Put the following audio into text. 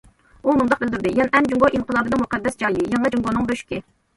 ئۇ مۇنداق بىلدۈردى: يەنئەن جۇڭگو ئىنقىلابىنىڭ مۇقەددەس جايى، يېڭى جۇڭگونىڭ بۆشۈكى.